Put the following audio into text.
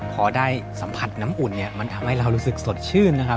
พอได้สัมผัสน้ำอุ่นเนี่ยมันทำให้เรารู้สึกสดชื่นนะครับ